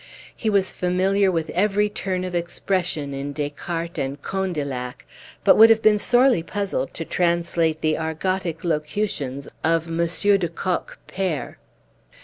He was familiar with every turn of expression in Descartes and Condillac, but would have been sorely puzzled to translate the argotic locutions of Monsieur de Kock, père.